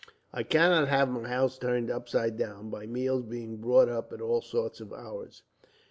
I cannot have my house turned upside down, by meals being brought up at all sorts of hours.